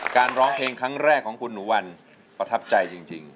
ร้องเพลงครั้งแรกของคุณหนูวันประทับใจจริง